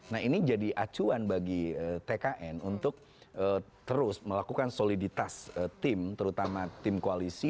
nah ini jadi acuan bagi tkn untuk terus melakukan soliditas tim terutama tim koalisi